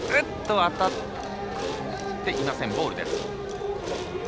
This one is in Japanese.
当たってきません、ボールです。